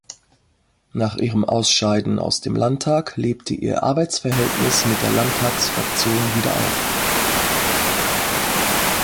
Nach ihrem Ausscheiden aus dem Landtag lebte ihr Arbeitsverhältnis mit der Landtagsfraktion wieder auf.